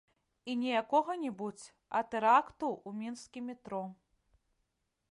І не якога-небудзь, а тэракту ў мінскім метро!